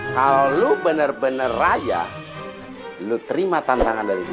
kalau lu bener bener raya lu terima tantangan dari gua